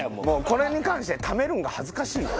これに関してはためるんが恥ずかしいわ。